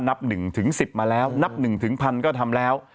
นับ๑ถึง๑๐มาแล้วนับ๑ถึง๑๐๐๐ก็ทำแล้ว